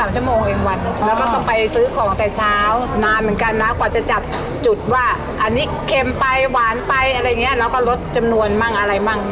ชั่วโมงเองวันหนึ่งแล้วก็ต้องไปซื้อของแต่เช้านานเหมือนกันนะกว่าจะจับจุดว่าอันนี้เค็มไปหวานไปอะไรอย่างนี้เราก็ลดจำนวนมั่งอะไรมั่ง